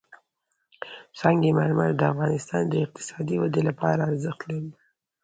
سنگ مرمر د افغانستان د اقتصادي ودې لپاره ارزښت لري.